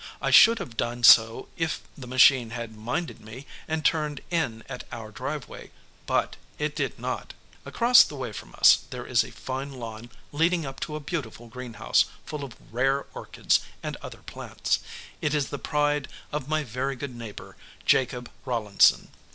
I should have done so if the machine had minded me and turned in at our driveway, but it did not. Across the way from us there is a fine lawn leading up to a beautiful greenhouse full of rare orchids and other plants. It is the pride of my very good neighbor, Jacob Rawlinson.